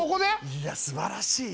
いやすばらしいなあ。